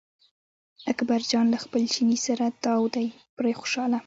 اکبر جان له خپل چیني سره تاو دی پرې خوشاله.